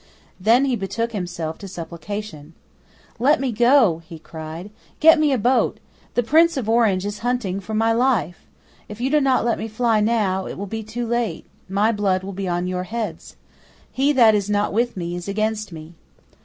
Then he betook himself to supplication. "Let me go," he cried; "get me a boat. The Prince of Orange is hunting for my life. If you do not let me fly now, it will be too late. My blood will be on your heads. He that is not with me is against me."